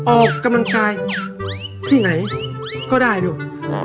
ออกกำลังกายที่ไหนก็ได้ลูก